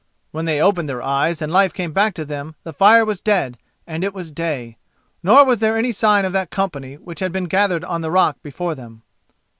When they opened their eyes and life came back to them the fire was dead, and it was day. Nor was there any sign of that company which had been gathered on the rock before them.